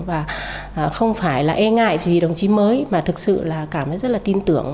và không phải là e ngại vì đồng chí mới mà thực sự là cảm thấy rất là tin tưởng